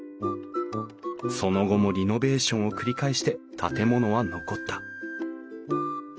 その後もリノベーションを繰り返して建物は残った。